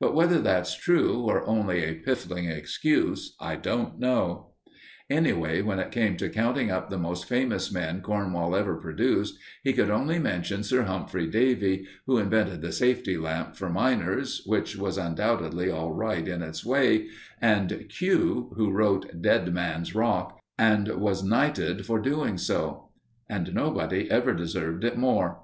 But whether that's true, or only a piffling excuse, I don't know. Anyway, when it came to counting up the most famous men Cornwall ever produced, he could only mention Sir Humphry Davy, who invented the safety lamp for miners, which was undoubtedly all right in its way, and "Q," who wrote Dead Man's Rock, and was knighted for doing so; and nobody ever deserved it more.